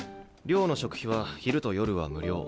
寮の食費は昼と夜は無料。